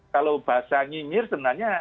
kalau bahasa nyinyir sebenarnya